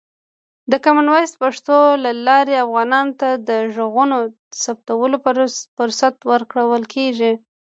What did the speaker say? د کامن وایس پښتو له لارې، افغانانو ته د غږونو ثبتولو فرصت ورکول کېږي.